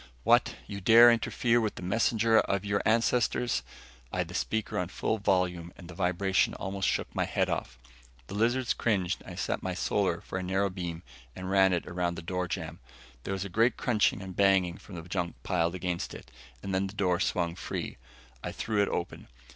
"What you dare interfere with the messenger of your ancestors!" I had the speaker on full volume and the vibration almost shook my head off. The lizards cringed and I set my Solar for a narrow beam and ran it around the door jamb. There was a great crunching and banging from the junk piled against it, and then the door swung free. I threw it open.